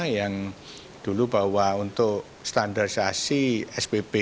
yang dulu bahwa untuk standarsasi spp itu kan tiap daerah beda beda